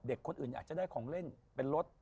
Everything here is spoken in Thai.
คนอื่นอยากจะได้ของเล่นเป็นรถ